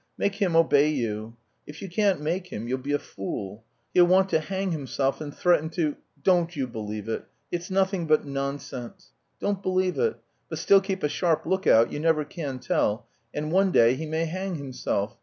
Make him obey you. If you can't make him you'll be a fool. He'll want to hang himself and threaten, to don't you believe it. It's nothing but nonsense. Don't believe it; but still keep a sharp look out, you never can tell, and one day he may hang himself.